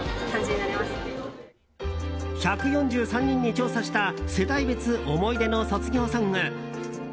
１４３人に調査した世代別、思い出の卒業ソング。